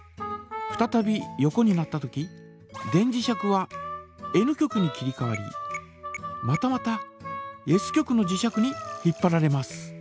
ふたたび横になったとき電磁石はＮ極に切りかわりまたまたＳ極の磁石に引っぱられます。